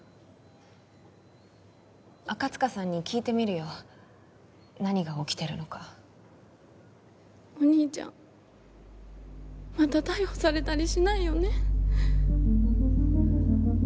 赤塚さんに聞いてみるよ何が起きているのかお兄ちゃんまた逮捕されたりしないよね？